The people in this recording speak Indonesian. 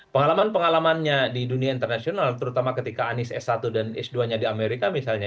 pengalaman pengalamannya di dunia internasional terutama ketika anies s satu dan s dua nya di amerika misalnya